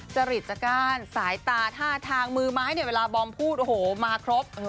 จริตจากก้านสายตาท่าทางมือไม้เวลาบอมพูดมาครบ